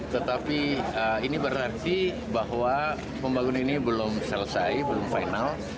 tetapi ini berarti bahwa pembangunan ini belum selesai belum final